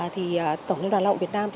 thì tổng liên đoàn lao động việt nam